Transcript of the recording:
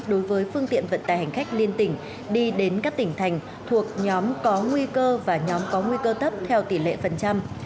đối với phương tiện vận tài hành khách liên tỉnh đi đến các tỉnh thành thuộc nhóm có nguy cơ và nhóm có nguy cơ thấp theo tỷ lệ phần trăm